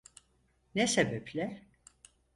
Ne sebeple?